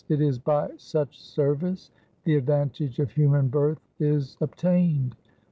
It is by such service the advantage of human birth is obtained.'